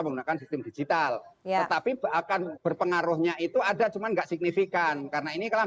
menggunakan sistem digital tetapi akan berpengaruhnya itu ada cuman enggak signifikan karena ini kalau